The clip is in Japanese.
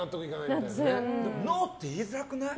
ノーって言いづらくない？